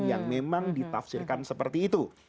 yang memang ditafsirkan seperti itu